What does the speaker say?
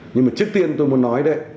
nhưng mà trước tiên tôi muốn nói đấy